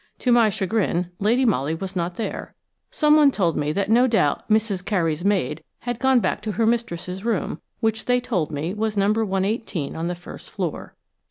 To my chagrin Lady Molly was not there. Someone told me that no doubt "Mrs. Carey's maid" had gone back to her mistress's room, which they told me was No. 118 on the first floor.